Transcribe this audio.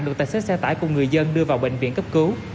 được tài xếp xe tải của người dân đưa vào bệnh viện cấp cứu